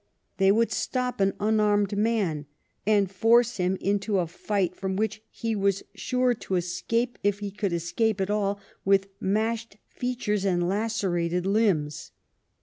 They would stop an unarmed man and force him into a fight from which he was sure to escape, if he could escape at all, with mashed features and lacerated limbs.